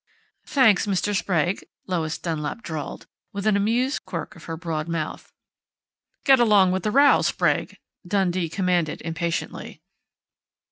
"Thanks, Mr. Sprague," Lois Dunlap drawled, with an amused quirk of her broad mouth. "Get along with the row, Sprague!" Dundee commanded impatiently.